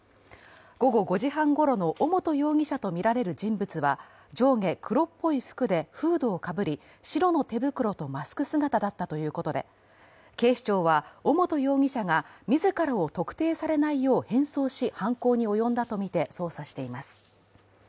午後５時半ごろの尾本容疑者とみられる人物は上下黒っぽい服でフードをかぶり、白の手袋とマスク姿だったということで、警視庁は尾本容疑者が自らを特定されないよう変装し犯行に及んだとみて捜査しています。